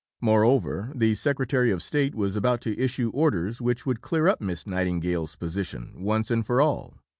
Moreover the Secretary of State was about to issue orders which would clear up Miss Nightingale's position once and for all.